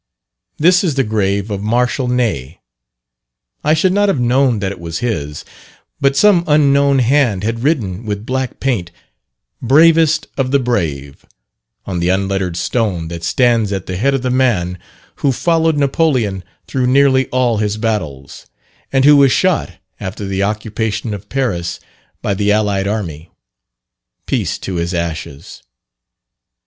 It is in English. This is the grave of Marshal Ney. I should not have known that it was his, but some unknown hand had written with black paint, "Bravest of the Brave," on the unlettered stone that stands at the head of the man who followed Napoleon through nearly all his battles, and who was shot after the occupation of Paris by the allied army. Peace to his ashes.